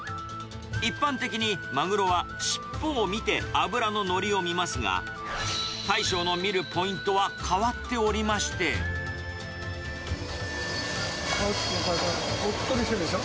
一般的にマグロは尻尾を見て脂の乗りを見ますが、大将の見るポイ顔つきがおっとりしてるでしょ？